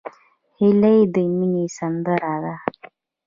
هیلۍ د مینې سندره ده